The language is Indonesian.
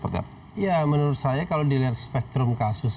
ya menurut saya kalau dilihat spektrum kasus